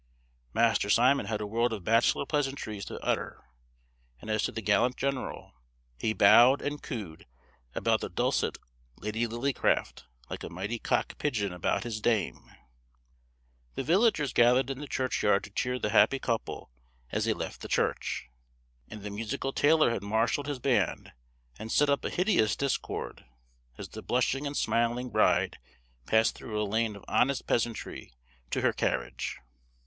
Master Simon had a world of bachelor pleasantries to utter, and as to the gallant general, he bowed and cooed about the dulcet Lady Lillycraft, like a mighty cock pigeon about his dame. [Illustration: The Wedding] The villagers gathered in the churchyard to cheer the happy couple as they left the church; and the musical tailor had marshalled his band, and set up a hideous discord, as the blushing and smiling bride passed through a lane of honest peasantry to her carriage.